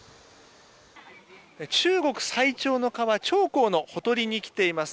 中国最長の川、長江のほとりに来ています。